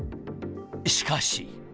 しかし。